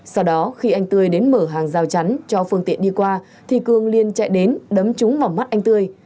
sau đó khi anh tươi đến mở hàng rào chắn cho phương tiện đi qua thì cường liên chạy đến đấm trúng vào mắt anh tươi